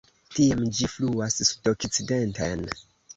Tiam ĝi fluas sudokcidenten.